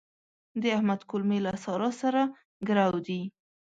د احمد کولمې له سارا سره ګرو دي.